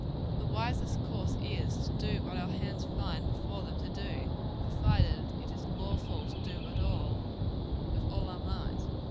The wisest course is, to do what our hands find before them to do, provided it is lawful to do it at all, with all our might.